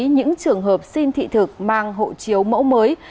những trường hợp xin thị thực mang hộ chiếu mẫu mới